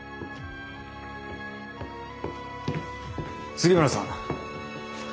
杉村さん。